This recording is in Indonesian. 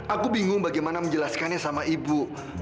aku bingung bagaimana menjelaskannya sama ibu